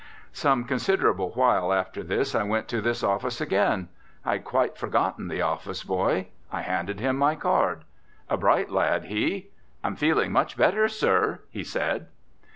Some considerable while after this I went to this office again. I had quite forgotten the office boy. I handed him my card. A bright lad, he. "I'm feeling much better, sir," he said.